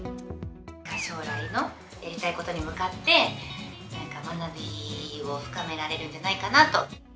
将来のやりたいことに向かって、なんか学びを深められるんじゃないかなと。